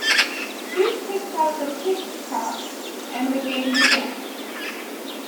Duke takes out the Pig Cops and the game begins.